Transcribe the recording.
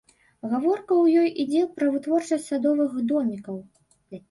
Гаворка ў ёй ідзе пра вытворчасць садовых домікаў.